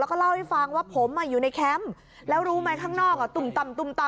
ก็เล่าให้ฟังว่าผมอยู่ในแคมป์แล้วรู้ไหมข้างนอกตุ่มตำ